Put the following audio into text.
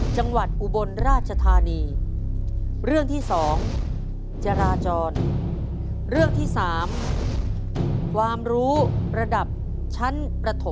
จังหวัดอุบลราชธานีค่ะ